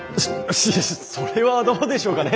いやそそれはどうでしょうかね。